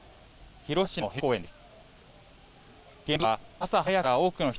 広島市の平和公園です。